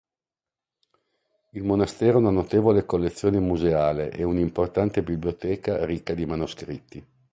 Il monastero ha una notevole collezione museale ed un'importante biblioteca ricca di manoscritti.